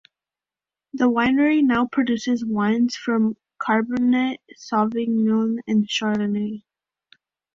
The winery now produces wines from Cabernet Sauvignon and Chardonnay.